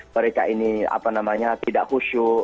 mereka ini apa namanya tidak khusyuk